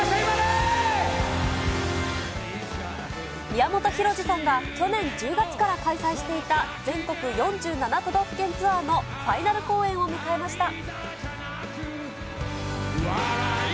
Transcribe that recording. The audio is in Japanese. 宮本浩次さんが、去年１０月から開催していた、全国４７都道府県ツアーもファイナル公演を迎えました。